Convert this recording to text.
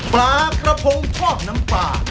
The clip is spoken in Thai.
ปลากระพงทอดน้ำปลา